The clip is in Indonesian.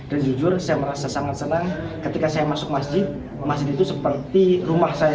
jujur saya merasa sangat senang ketika saya masuk masjid masjid itu seperti rumah saya